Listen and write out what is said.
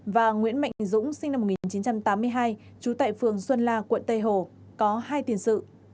và nguyễn mạnh dũng sinh năm một nghìn chín trăm tám mươi hai trú tại phường xuân la quận tây hồ có hai tiền sự